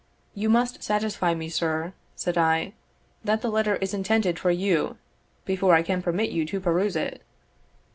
"You must satisfy me, sir," said I, "that the letter is intended for you before I can permit you to peruse it."